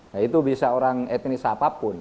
nah itu bisa orang etnis apapun